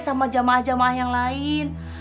sama jamaah jamaah yang lain